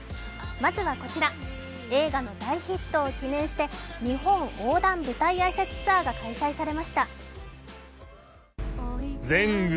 まずはこちら、映画の大ヒットを記念して日本横断舞台挨拶ツアーが開催されました。